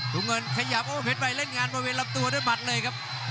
ถุงเงินขยับโอ้โหเพชรใหม่เล่นงานบริเวณรับตัวด้วยบัตรเลยครับ